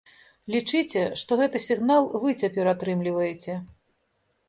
Лічыце, што гэты сігнал вы цяпер атрымліваеце.